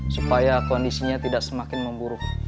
supaya kondisinya tidak semakin memburuk